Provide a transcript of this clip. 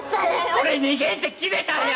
俺逃げんって決めたんや